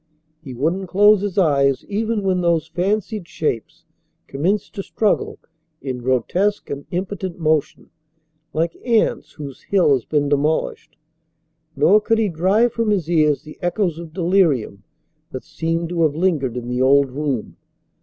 He wouldn't close his eyes even when those fancied shapes commenced to struggle in grotesque and impotent motion, like ants whose hill has been demolished. Nor could he drive from his ears the echoes of delirium that seemed to have lingered in the old room.